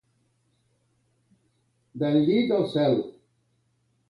Del llit al cel.